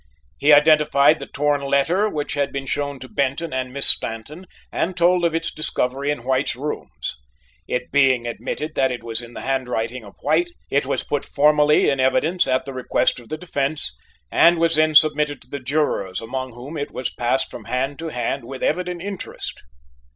He identified the torn letter which had been shown to Benton and Miss Stanton and told of its discovery in White's rooms. It being admitted that it was in the handwriting of White, it was put formally in evidence at the request of the defence, and was then submitted to the jurors among whom it was passed from hand to hand with evident interest.